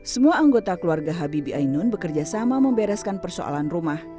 semua anggota keluarga habibi ainun bekerja sama membereskan persoalan rumah